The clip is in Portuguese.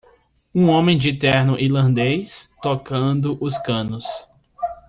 Um homem de terno irlandês tocando os canos.